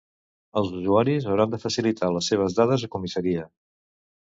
Els usuaris hauran de facilitar les seves dades a comissaria.